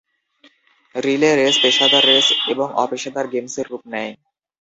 Relay race পেশাদার race এবং অপেশাদার গেমসের রূপ নেয়।